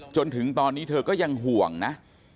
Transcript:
จนถึงตอนนี้เธอก็ยังห่วงนะ